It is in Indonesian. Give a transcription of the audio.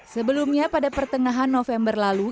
sebelumnya pada pertengahan november lalu